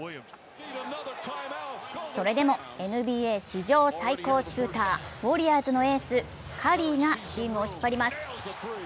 それでも、ＮＢＡ史上最高シューターウォリアーズのエース・カリーがチームを引っ張ります。